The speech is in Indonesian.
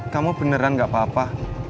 kamu beneran gak apa apa